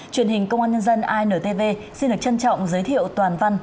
truyền hình công an nhân dân intv xin được trân trọng giới thiệu toàn văn